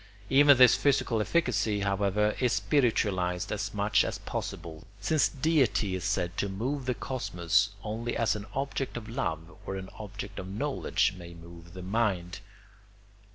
Even this physical efficacy, however, is spiritualised as much as possible, since deity is said to move the cosmos only as an object of love or an object of knowledge may move the mind.